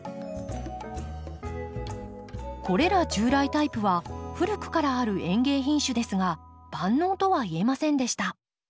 これら従来タイプは古くからある園芸品種ですが万能とはいえませんでした。